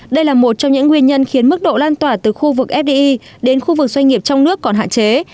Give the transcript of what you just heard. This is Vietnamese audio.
đây là một trong những nguyên nhân khiến mức độ lan tỏa từ khu vực fdi đến khu vực doanh nghiệp trong nước còn hạn chế